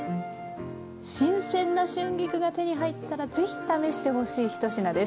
新鮮な春菊が手に入ったら是非試してほしい１品です。